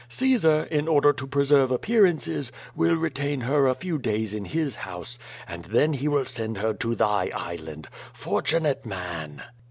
Caesar, in order to preserve appearances, will re tain her a few days in his house, and then he will send her to thy island. Fortunate man!"